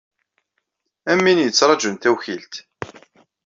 Am win yettṛajun tawkilt.